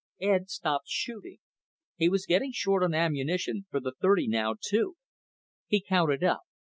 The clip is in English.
Ed stopped shooting. He was getting short on ammunition for the .30 now, too. He counted up.